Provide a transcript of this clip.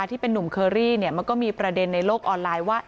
ที่เป็นนุ่มเคอรี่มันก็มีประเด็นในโลกออนไลน์ว่า